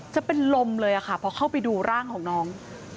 จะเป็นลมเลยค่ะพอเข้าไปดูร่างของน้อง